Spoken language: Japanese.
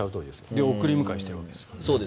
で、送り迎えをしてるわけですからね。